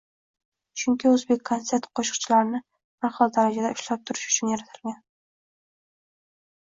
Chunki "O'zbekkonsert" qo'shiqchilarni bir xil darajada ushlab turish uchun yaratilgan